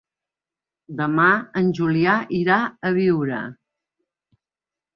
Demà en Julià irà a Biure.